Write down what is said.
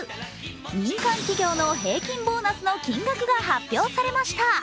民間企業の平均ボーナスの金額が発表されました。